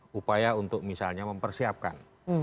tidak ada upaya untuk misalnya mempersiapkan